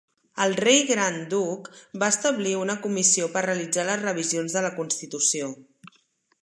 El Rei-Gran Duc va establir una comissió per realitzar les revisions de la Constitució.